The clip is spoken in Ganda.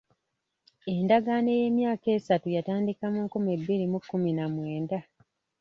Endagaano ey'emyaka esatu yatandika mu nkumi bbiri mu kkumi na mwenda.